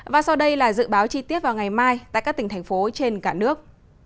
và sau đây là dự báo chi tiết vào ngày mai tại các tỉnh thành phố trên cả nước